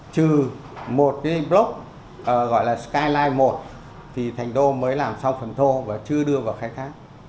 trừ một cái block gọi là skyline một thì thành đô mới làm xong phần thô và chưa đưa vào khách khác